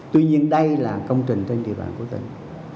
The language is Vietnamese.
tuy nhiên đây là công trình trên địa bàn của tỉnh